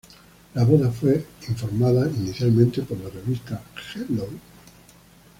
La boda fue reportada inicialmente por la revista "Hello!